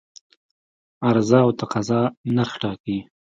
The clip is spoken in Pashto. عرضه او تقاضا نرخ ټاکي.